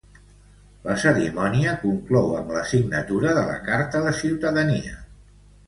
La cerimònia conclou amb la signatura de la carta de ciutadania.